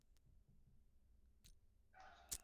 陈锡璋表示即电蒙藏委员会请示。